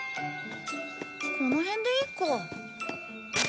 この辺でいいか。